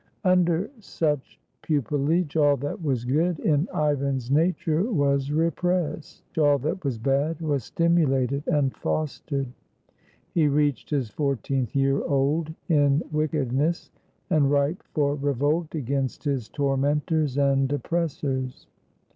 Under such pupilage all that was good in Ivan's na ture was repressed, all that was bad was stimulated and fostered. He reached his fourteenth year old in wicked ness, and ripe for revolt against his tormentors and 45 RUSSIA oppressors.